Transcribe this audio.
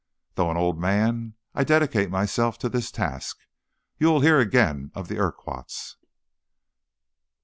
"Though an old man, I dedicate myself to this task. You will hear again of the Urquharts." CHAPTER V.